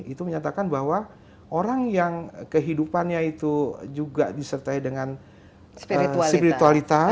itu menyatakan bahwa orang yang kehidupannya itu juga disertai dengan spiritualitas